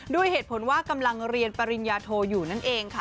ด้วยเหตุผลว่ากำลังเรียนปริญญาโทอยู่นั่นเองค่ะ